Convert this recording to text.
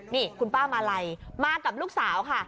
นี่คุณป้ามาลัยมากับลูกสาวค่ะ